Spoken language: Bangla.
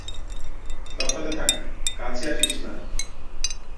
তফাতে থাক্, কাছে আসিস না।